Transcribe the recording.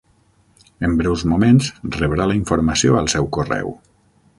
En breus moments rebrà la informació al seu correu.